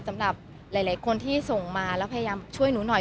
สำหรับหลายคนที่ส่งมาแล้วพยายามช่วยหนูหน่อย